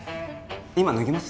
今脱げます？